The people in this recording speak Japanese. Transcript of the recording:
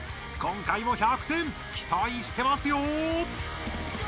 今回も１００点きたいしてますよ！